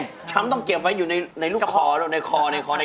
ใช่ช้ำต้องเก็บไว้อยู่ในลูกคอแล้วในคอในกระพ่อ